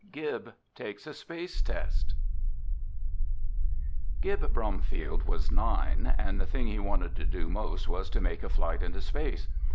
GIB TAKES A SPACE TEST Gib Bromfield was nine, and the thing he wanted to do most was to make a flight into space.